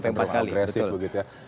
cenderung agresif begitu ya